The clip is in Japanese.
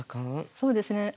そうですね